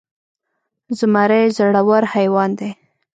زمری زړور حيوان دی.